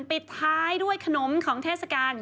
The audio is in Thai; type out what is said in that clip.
ปิดท้ายด้วยขนมของเทศกาล